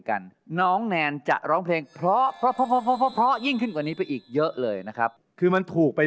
โดยต้องใช้โดยที่เหมาะสีเอาไป